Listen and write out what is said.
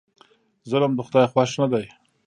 ظلم د خدای خوښ نه دی.